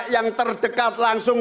yang terdekat langsung